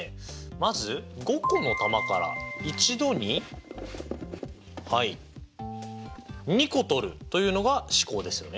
まず５個の球から一度にはい２個取るというのが試行ですよね。